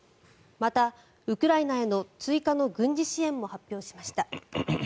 またウクライナへの追加の軍事支援も発表しました。